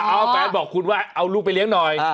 เอาแฟนบอกคุณว่าเอาลูกไปเลี้ยงหน่อย